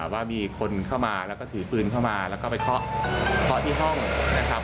ว่ามีคนเข้ามาแล้วก็ถือปืนเข้ามาแล้วก็ไปเคาะเคาะที่ห้องนะครับ